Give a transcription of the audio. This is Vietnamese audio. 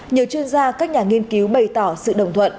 nhiều chuyên gia các nhà nghiên cứu bày tỏ sự đồng thuận